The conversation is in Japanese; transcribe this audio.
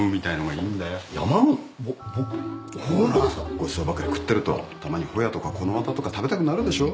ごちそうばかり食ってるとたまにホヤとかこのわたとか食べたくなるでしょ？